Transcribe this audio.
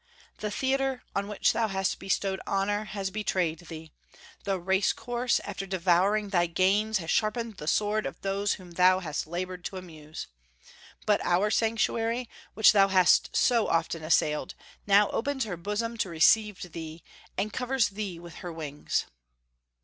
The theatre, on which thou hast bestowed honor, has betrayed thee; the race course, after devouring thy gains, has sharpened the sword of those whom thou hast labored to amuse. But our sanctuary, which thou hast so often assailed, now opens her bosom to receive thee, and covers thee with her wings."